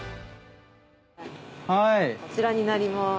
こちらになります。